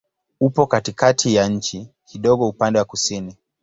Upo katikati ya nchi, kidogo upande wa kusini.